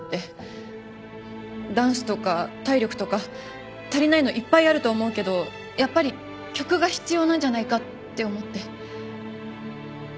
ダンスとか体力とか足りないのいっぱいあると思うけどやっぱり曲が必要なんじゃないかって思って。